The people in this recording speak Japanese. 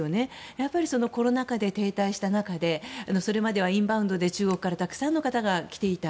やっぱりコロナ禍で停滞した中でそれまではインバウンドで中国からたくさんの方が来ていた。